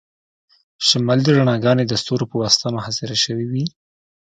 شمالي رڼاګانې د ستورو په واسطه محاصره شوي وي